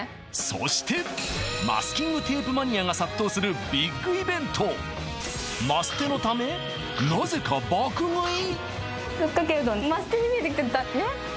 そしてマスキングテープマニアが殺到するビッグイベントマステのためなぜか爆食い！？